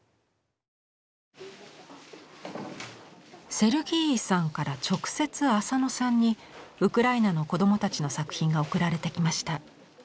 セルギーイさんから直接浅野さんにウクライナの子どもたちの作品が送られてきました。